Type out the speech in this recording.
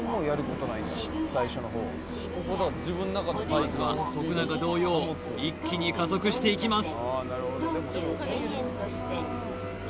まずは徳永同様一気に加速していきます